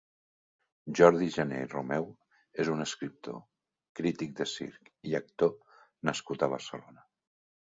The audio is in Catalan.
Jordi Jané i Romeu és un escriptor, crític de circ i actor nascut a Barcelona.